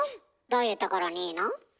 どういうところにいいの？